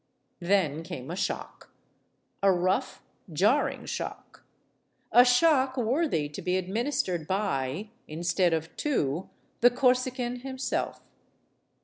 Then came a shock; a rough, jarring shock; a shock worthy to be administered by, instead of to, the MADAME RECAMIER 239 Corsican himself.